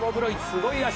すごい脚。